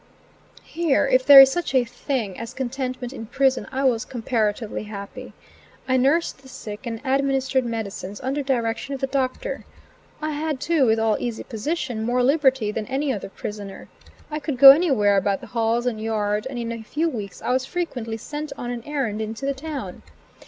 Here, if there is such a things as contentment in prison, I was comparatively happy. I nursed the sick and administered medicines under direction of the doctor. I had too, with all easy position, more liberty than any other prisoner. I could go anywhere about the halls and yard, and in a few weeks I was frequently sent on an errand into the town.